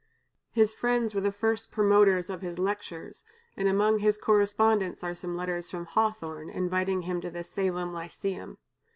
His friends were the first promoters of his lectures, and among his correspondence are some letters from Hawthorne, inviting him to the Salem Lyceum.